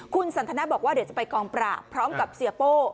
คุณสันทนาบอกว่าเดี๋ยวจะไปกองปราบพร้อมกับเสียโป้